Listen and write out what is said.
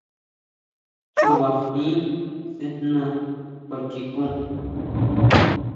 Chuba jín sʼejná kjuachikon.